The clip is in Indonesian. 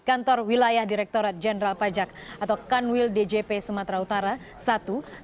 kantor wilayah direkturat jenderal pajak atau kanwil djp sumatera utara i